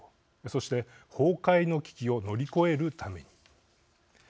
そして崩壊の危機を乗り越えるために。